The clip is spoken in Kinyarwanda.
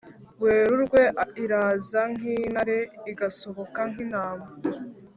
werurwe iraza nk'intare igasohoka nk'intama